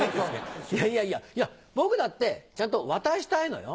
いやいやいやいや僕だってちゃんと渡したいのよ？